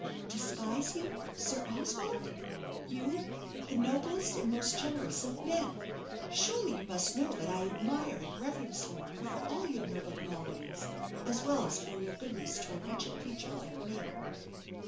"Despise you, Sir Oswald! you, the noblest and most generous of men! Surely, you must know that I admire and reverence you for all your noble qualities, as well as for your goodness to a wretched creature like me."